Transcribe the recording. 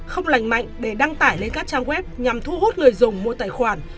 không lành mạnh để đăng tải lên các trang web nhằm thu hút người dùng mua tài khoản